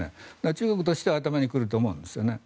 中国としては頭にくると思うんですよね。